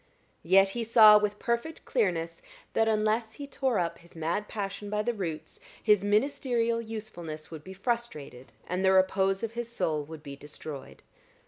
Yet he saw with perfect clearness that unless he tore up his mad passion by the roots, his ministerial usefulness would be frustrated, and the repose of his soul would be destroyed.